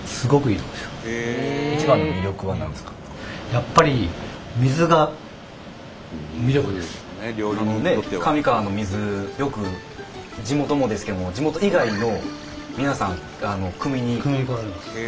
やっぱり神河の水よく地元もですけど地元以外の皆さんがくみに。